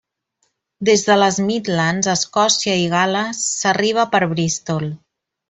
Des de les Midlands, Escòcia i Gal·les, s'arriba per Bristol.